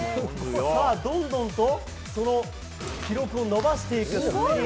さあ、どんどんと、その記録を伸ばしていく。